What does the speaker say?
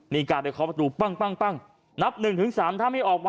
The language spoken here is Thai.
นี่การไปเคาะประตูปั้งปั้งปั้งนับหนึ่งถึงสามถ้าไม่ออกมา